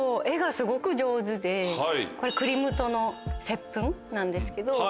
絵がすごく上手でこれクリムトの『接吻』なんですけど。